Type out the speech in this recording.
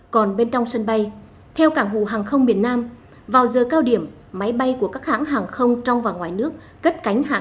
còn bên trong sân bay theo cảng vụ hàng không miền nam vào giờ cao điểm máy bay của các hãng hàng không trong và ngoài nước cất cánh hàng